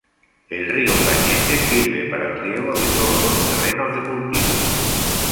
El río Cañete sirve para el riego de los terrenos de cultivo.